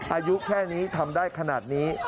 อายุแค่นี้ทำได้ขนาดนี้